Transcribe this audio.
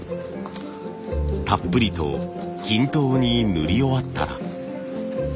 たっぷりと均等に塗り終わったら。